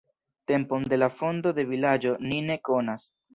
Tempon de la fondo de vilaĝo ni ne konas.